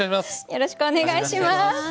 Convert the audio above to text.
よろしくお願いします。